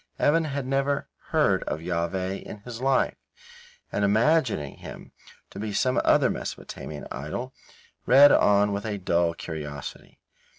Evan had never heard of Jahveh in his life, and imagining him to be some other Mesopotamian idol, read on with a dull curiosity.